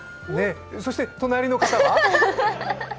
そして、隣の方は？